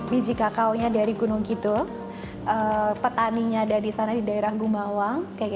biji kakaonya dari gunung kidul petaninya ada di sana di daerah gumawang